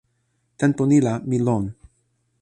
tenpo ni la mi lon.